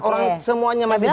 orang semuanya masih balok